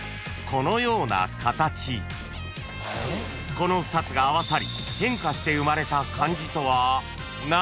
［この２つが合わさり変化して生まれた漢字とは何？］